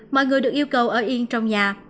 mọi người được yêu cầu ở yên trong nhà